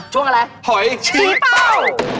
ช่วงอะไรหอยชี้เป้า